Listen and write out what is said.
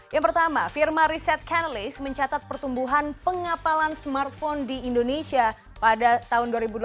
yang pertama firma riset canalyst mencatat pertumbuhan pengapalan smartphone di indonesia pada tahun dua ribu delapan belas